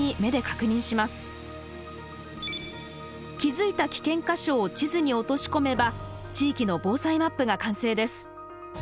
気付いた危険箇所を地図に落とし込めば地域の防災マップが完成です。